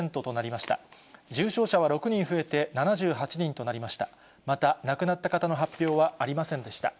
また亡くなった方の発表はありませんでした。